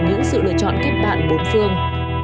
những sự lựa chọn kết bạn bốn phương